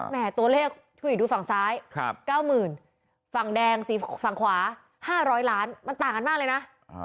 ตัวเลขพี่อุ๋ยดูฝั่งซ้าย๙๐๐ฝั่งแดงฝั่งขวา๕๐๐ล้านมันต่างกันมากเลยนะ